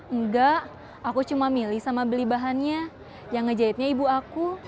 enggak aku cuma milih sama beli bahannya yang ngejahitnya ibu aku